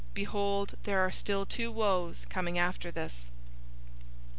Behold, there are still two woes coming after this.